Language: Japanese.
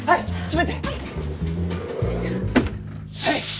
はい！